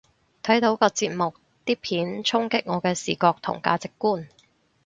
睇到個節目啲片衝擊我嘅視覺同價值觀